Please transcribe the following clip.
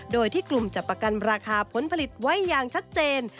โดยที่กลุ่มจะประกันราคาผลผลิตไว้อย่างชัดเจน